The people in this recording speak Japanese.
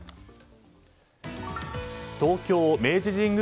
東京・明治神宮